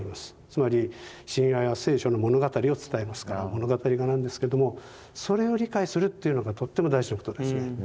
つまり神話や聖書の物語を伝えますから物語画なんですけれどもそれを理解するっていうのがとっても大事なことですね。